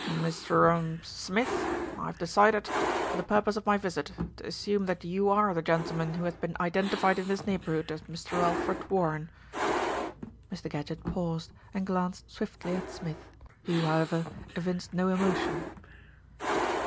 "Mr. er Smith, I have decided, for the purpose of my visit, to assume that you are the gentleman who has been identified in this neighbourhood as Mr. Alfred Warren." Mr. Gadgett paused, and glanced swiftly at Smith, who, however, evinced no emotion.